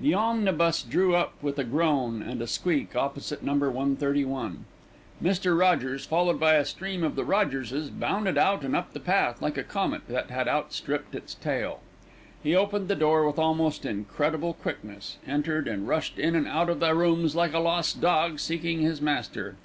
The omnibus drew up with a groan and a squeak opposite to No. 131. Mr. Rogers, followed by a stream of little Rogerses, bounded out and up the path like a comet that had outstripped its tail. He opened the door with almost incredible quickness, entered and rushed in and out of the rooms like a lost dog seeking his master.